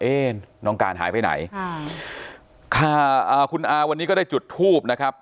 เอ๊น้องการหายไปไหนค่ะคุณอาวันนี้ก็ได้จุดทูปนะครับ